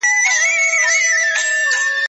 که وخت وي، کتابونه وليکم؟؟